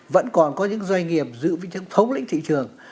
vẫn còn có những doanh nghiệp dự với những thống lĩnh thị trường